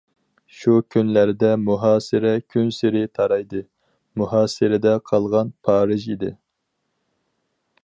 شۇ كۈنلەردە مۇھاسىرە كۈنسېرى تارايدى، مۇھاسىرىدە قالغان پارىژ ئىدى!...